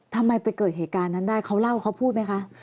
ทำไมไปเกิดเหตุการณ์นั้นได้เขาเล่าเขาพูดไหมคะ